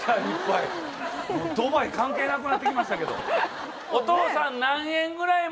ドバイ関係なくなってきましたけど。